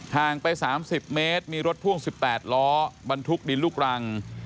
งไป๓๐เมตรมีรถพ่วง๑๘ล้อบรรทุกดินลูกรัง